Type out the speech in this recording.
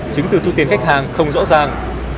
chứng từ thu tiền khách hàng không rõ ràng